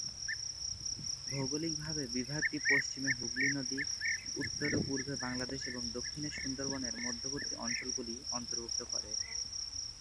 ভৌগোলিকভাবে বিভাগটি পশ্চিমে হুগলি নদী, উত্তর ও পূর্বে বাংলাদেশ এবং দক্ষিণে সুন্দরবনের মধ্যবর্তী অঞ্চলগুলি অন্তর্ভুক্ত করে।